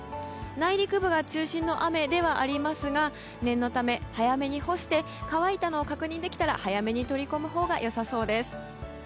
内陸部が中心の雨ではありますが念のため早めに干して乾いたのを確認できたら早めに取り込むほうがよさそうです。